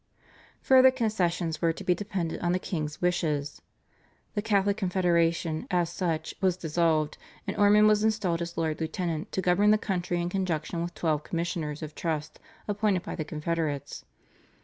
Further concessions were to be dependent on the king's wishes. The Catholic Confederation as such was dissolved, and Ormond was installed as Lord Lieutenant to govern the country in conjunction with twelve Commissioners of Trust appointed by the Confederates.